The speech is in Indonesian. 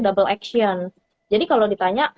double action jadi kalau ditanya